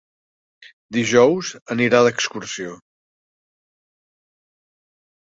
Dijous anirà d'excursió.